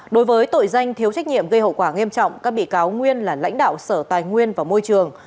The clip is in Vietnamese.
đối với tội danh thiếu trách nhiệm gây hậu quả nghiêm trọng các bị cáo nguyên là lãnh đạo sở tài nguyên và môi trường